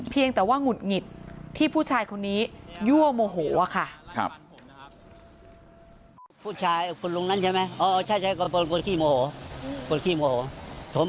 เพียงแต่ว่าหงุดหงิดที่ผู้ชายคนนี้ยั่วโมโหค่ะ